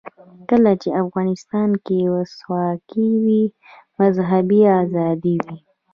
کله چې افغانستان کې ولسواکي وي مذهبي آزادي وي.